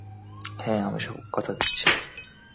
হ্যাঁ, আমি কথা দিচ্ছি।